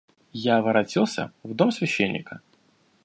Я воротился в дом священника.